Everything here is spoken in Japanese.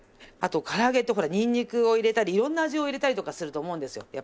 あとから揚げってほらにんにくを入れたりいろんな味を入れたりとかすると思うんですよ。